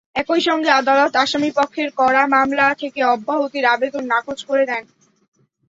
একই সঙ্গে আদালত আসামিপক্ষের করা মামলা থেকে অব্যাহতির আবেদন নাকচ করে দেন।